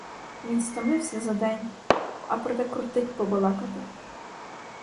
Він стомився за день, а проте кортить побалакати.